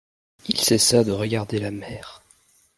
Il cessa de regarder la mer.